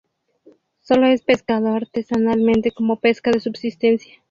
Sólo es pescado artesanalmente como pesca de subsistencia.